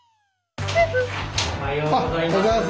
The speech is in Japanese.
おはようございます。